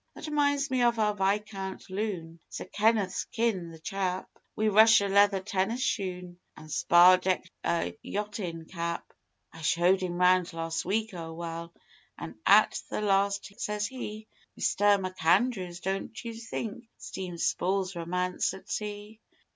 That minds me of our Viscount loon Sir Kenneth's kin the chap Wi' russia leather tennis shoon an' spar decked yachtin' cap. I showed him round last week, o'er all an' at the last says he: "Mister McAndrews, don't you think steam spoils romance at sea?"